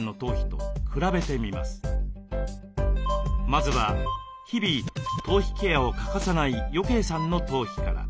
まずは日々頭皮ケアを欠かさない余慶さんの頭皮から。